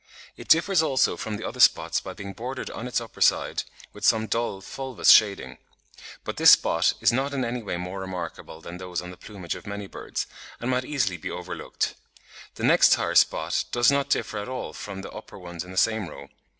It differs also from the other spots by being bordered on its upper side with some dull fulvous shading. But this spot is not in any way more remarkable than those on the plumage of many birds, and might easily be overlooked. The next higher spot does not differ at all from the upper ones in the same row.